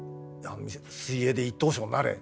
水泳で一等賞になれ！